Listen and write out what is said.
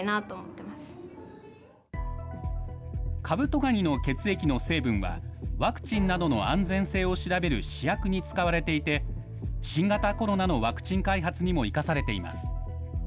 カブトガニの血液の成分は、ワクチンなどの安全性を調べる試薬に使われていて、新型コロナのワクチン開発にも生かされています。